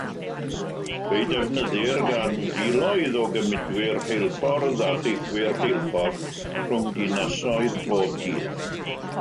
Fe'i defnyddir gan filoedd o gymudwyr rheilffordd a theithwyr rheilffordd rhwng dinasoedd bob dydd.